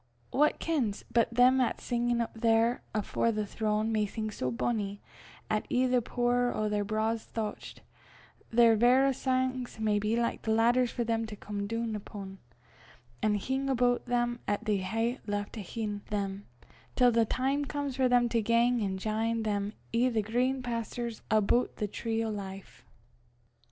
Wha kens but them 'at's singin' up there afore the throne, may sing so bonnie, 'at, i' the pooer o' their braw thouchts, their verra sangs may be like laidders for them to come doon upo', an' hing aboot them 'at they hae left ahin' them, till the time comes for them to gang an' jine them i' the green pasturs aboot the tree o' life."